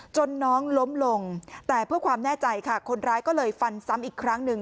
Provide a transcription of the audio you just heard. น้องล้มลงแต่เพื่อความแน่ใจค่ะคนร้ายก็เลยฟันซ้ำอีกครั้งหนึ่ง